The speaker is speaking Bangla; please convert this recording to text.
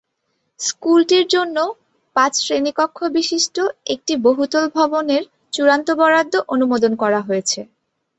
স্কুলটির জন্য পাঁচ শ্রেণিকক্ষবিশিষ্ট একটি বহুতল ভবনের চূড়ান্ত বরাদ্দ অনুমোদন করা হয়েছে।